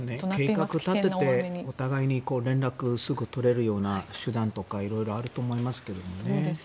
計画を立ててお互いに連絡をすぐとれるような手段とかもいろいろあると思いますけどね。